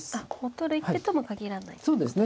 取る一手とも限らないってことですね。